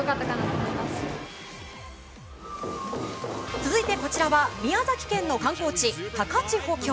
続いて、こちらは宮崎県の観光地、高千穂峡。